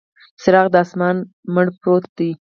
څراغ د اسمان، مړ پروت دی